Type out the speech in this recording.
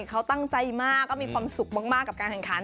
เขาตั้งใจมากก็มีความสุขมากกับการแข่งขัน